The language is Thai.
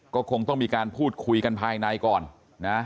ก็คงต้องมีการพูดคุยกันภายในก่อนนะ